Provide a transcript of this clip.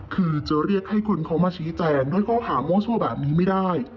คือจะเรียกให้คุณเขามาชี้แจงด้วยข้อหามั่วซั่วแบบนี้ไม่ได้